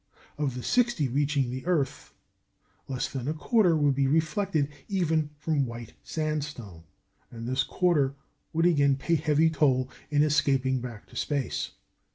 Of the sixty reaching the earth, less than a quarter would be reflected even from white sandstone; and this quarter would again pay heavy toll in escaping back to space.